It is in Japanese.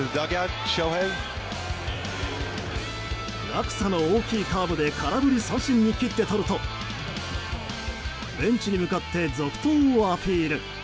落差の大きいカーブで空振り三振に切ってとるとベンチに向かって続投をアピール。